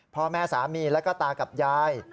พ่อแม่สามีแล้วก็ตากับยาย